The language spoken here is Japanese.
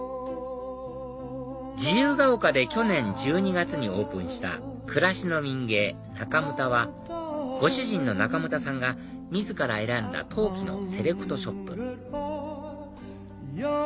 自由が丘で去年１２月にオープンした暮らしの民芸那かむたはご主人の中牟田さんが自ら選んだ陶器のセレクトショップ